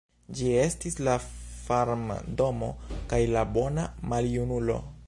Ĝi estis la farmdomo kaj la bona maljunulo.